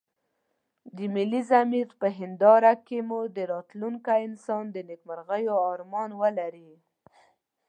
د ملي ضمير په هنداره کې مو راتلونکی انسان د نيکمرغيو ارمان ولري.